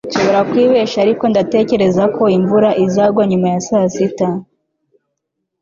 Nshobora kwibeshya ariko ndatekereza ko imvura izagwa nyuma ya saa sita